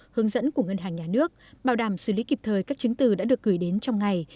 hướng dẫn của ngân hàng nhà nước bảo đảm xử lý kịp thời các chứng từ đã được gửi đến trong ngày